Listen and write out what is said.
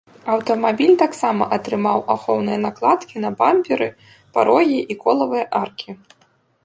Аўтамабіль таксама атрымаў ахоўныя накладкі на бамперы, парогі і колавыя аркі.